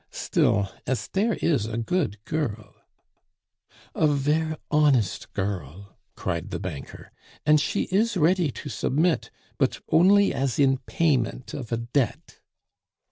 Still, Esther is a good girl " "A ver' honest girl," cried the banker. "An' she is ready to submit; but only as in payment of a debt."